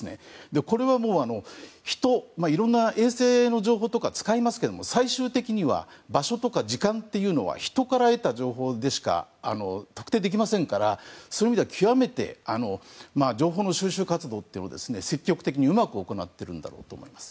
これは衛星の情報とかを使いますけど、最終的には場所とか時間というのは人から得た情報でしか特定できませんからそういう意味では極めて情報収集活動を積極的にうまく行っているんだと思います。